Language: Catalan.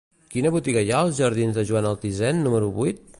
Quina botiga hi ha als jardins de Joan Altisent número vuit?